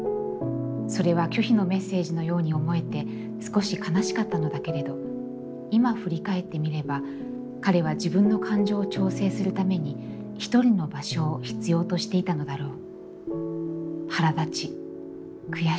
それは拒否のメッセージのように思えて、少し悲しかったのだけれど、今振り返ってみれば、彼は自分の感情を調整するためにひとりの場所を必要としていたのだろう」。